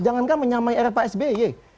jangankan menyamai rpsb ye